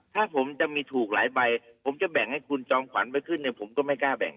ถ้าผมจะมีถูกหลายใบผมจะแบ่งให้คุณจอมขวัญไปขึ้นเนี่ยผมก็ไม่กล้าแบ่ง